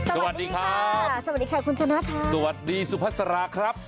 สวัสดีครับสวัสดีค่ะคุณชนะค่ะสวัสดีสุพัสราครับ